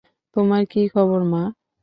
তোমার কি খবর, মা?